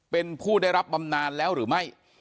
เป็นผู้ได้รับบำนานแล้วหรือไม่